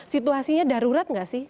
situasinya darurat gak sih